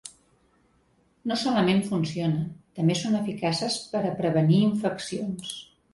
No solament funcionen, també són eficaces per a prevenir infeccions.